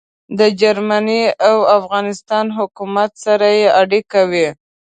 د جرمني او افغانستان حکومت سره يې اړیکې وې.